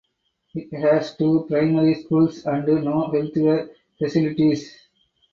It has two primary schools and no healthcare facilities.